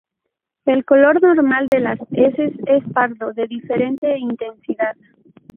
El color normal de las heces es pardo, de diferente intensidad.